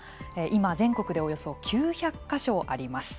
今、全国でおよそ９００か所あります。